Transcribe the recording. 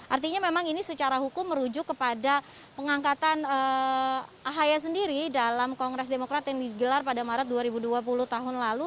artinya memang ini secara hukum merujuk kepada pengangkatan ahaya sendiri dalam kongres demokrat yang digelar pada maret dua ribu dua puluh tahun lalu